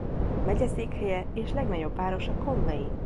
Megyeszékhelye és legnagyobb városa Conway.